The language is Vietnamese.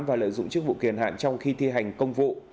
và lợi dụng chức vụ kiền hạn trong khi thi hành công vụ